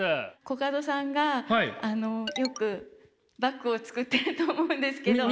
コカドさんがよくバッグを作ってると思うんですけど。